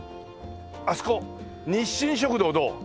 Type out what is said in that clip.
あそこ「日進食堂」どう？